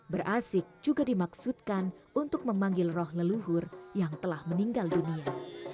berasik juga dimaksudkan untuk memanggil roh leluhur yang telah meninggal dunia